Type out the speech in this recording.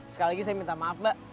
sekali lagi saya minta maaf mbak